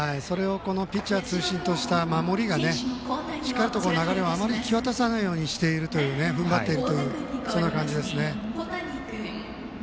ピッチャー中心とした守りがしっかりと流れを引き渡さないように踏ん張っているという感じですね。